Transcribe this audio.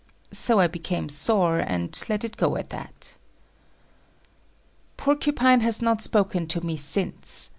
So I became sore, and let it go at that. Porcupine has not spoken to me since.